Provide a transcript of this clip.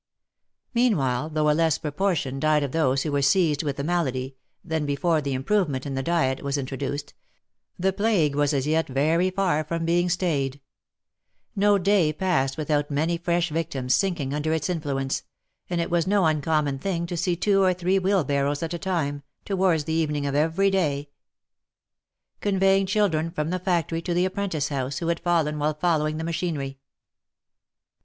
Meanwhile, though a less proportion died of those who were seized with the malady, than before the improvement in the diet was intro duced, the plague was as yet very far from being stayed. No day 218 THE LIFE AND ADVENTURES passed without many fresh victims sinking under its influence, and it was no uncommon thing to see two or three wheelbarrows at a time, towards the evening [of every day, conveying children from the fac tory to the apprentice house who had fallen while following the ma chinery.